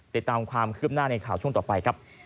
ติดตามความคืบหน้าในข่าวช่วงต่อไปครับ